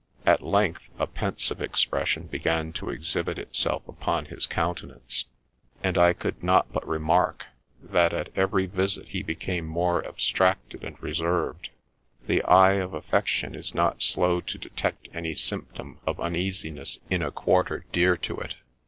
At length a pensive expression began to exhibit THE LATE HENRY HARRIS, D.D. 119 itself upon his countenance, and I could not but remark that at every visit he became more abstracted and reserved. The eye of affection is not slow to detect any symptom of uneasiness in a quarter dear to it.